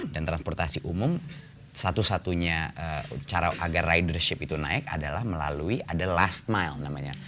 dan transportasi umum satu satunya cara agar ridership itu naik adalah melalui ada last mile namanya